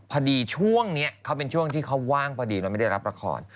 พอดีช่วงนี้เขาเป็นช่วงที่เขาว่างพอดีมันไม่ได้รับละคร